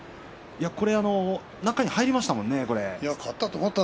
中に入りましたものね。